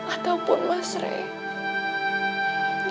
ataupun mas rey